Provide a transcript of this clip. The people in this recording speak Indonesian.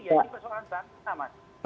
ya ini persoalan bangsa mas